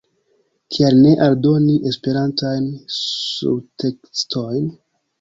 Kial ne aldoni Esperantajn subtekstojn?